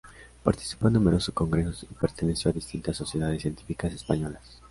Participó en numerosos congresos y perteneció a distintas sociedades científicas españolas.